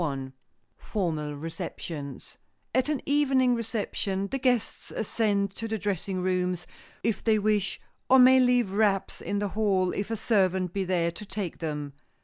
[Sidenote: FORMAL RECEPTIONS] At an evening reception, the guests ascend to the dressing rooms, if they wish, or may leave wraps in the hall, if a servant be there to take them.